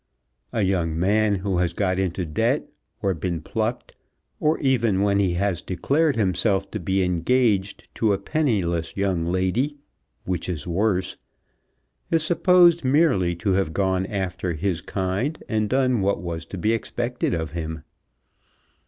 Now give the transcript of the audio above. A young man who has got into debt, or been plucked, or even when he has declared himself to be engaged to a penniless young lady, which is worse, is supposed merely to have gone after his kind, and done what was to be expected of him.